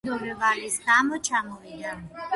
ამერიკაში სოლიდური ვალის გამო ჩამოვიდა.